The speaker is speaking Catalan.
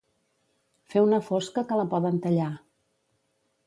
Fer una fosca que la poden tallar.